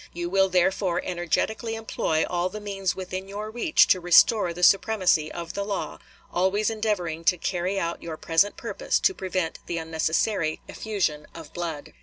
You will therefore energetically employ all the means within your reach to restore the supremacy of the law, always endeavoring to carry out your present purpose to prevent the unnecessary effusion of blood."